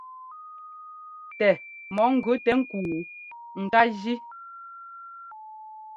Tɛ mɔ ŋgʉ tɛ ŋ́kúu ŋ ká jí.